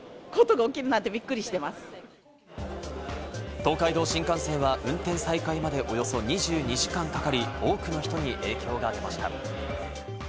東海道新幹線は運転再開までおよそ２２時間かかり、多くの人に影響が出ました。